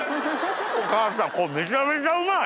お母さんこれめちゃめちゃうまい！